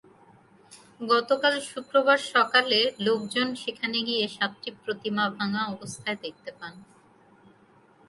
গতকাল শুক্রবার সকালে লোকজন সেখানে গিয়ে সাতটি প্রতিমা ভাঙা অবস্থায় দেখতে পান।